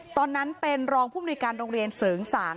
ตอนนั้นเป็นรองผู้มนุยการโรงเรียนเสริงสาง